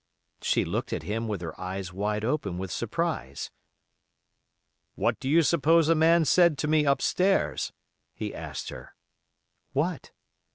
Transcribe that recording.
She looked at him with her eyes wide open with surprise. "What do you suppose a man said to me upstairs?" he asked her. "What?"